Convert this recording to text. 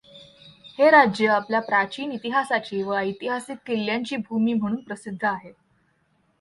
हे राज्य आपल्या प्राचीन इतिहासाची व ऐतिहासिक किल्यांची भूमी म्हणून प्रसिद्ध आहे.